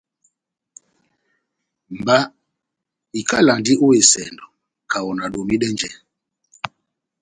Mba ikalandi ó esɛndɔ kaho nadomidɛnjɛ.